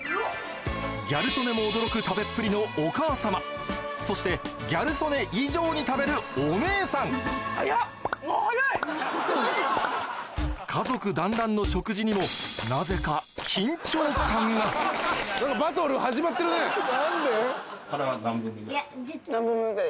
・ギャル曽根も驚く食べっぷりのお母様そしてギャル曽根以上に食べるお姉さん家族だんらんの食事にもなぜか緊張感が何で？